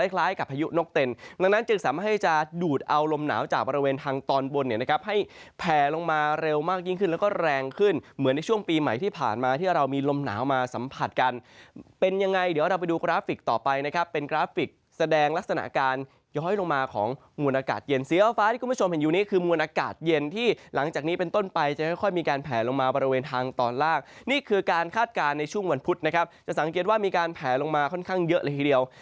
คล้ายกับพายุนกเต็นดังนั้นจึงสามารถให้จะดูดเอาลมหนาวจากบริเวณทางตอนบนให้แพร่ลงมาเร็วมากยิ่งขึ้นแล้วก็แรงขึ้นเหมือนในช่วงปีใหม่ที่ผ่านมาที่เรามีลมหนาวมาสัมผัสกันเป็นยังไงเดี๋ยวเราไปดูกราฟิกต่อไปนะครับเป็